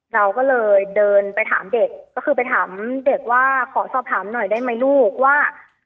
เราก็เลยเดินไปถามเด็กก็คือไปถามเด็กว่าขอสอบถามหน่อยได้ไหมลูกว่า